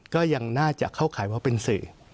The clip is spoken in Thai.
ก็ยังน่าจะเข้าข่ายว่าเป็นสื่อ